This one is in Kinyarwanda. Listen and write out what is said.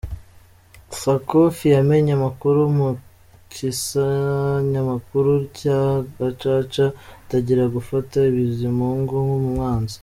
Sakufi yamenye amakuru mu ikusanyamakuru rya Gacaca, atangira gufata Bizimungu nk’umwanzi.